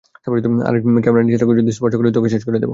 আরে, ক্যামেরা নিচে রাখ, যদি স্পর্শ করিস তোকে শেষ করে দিব।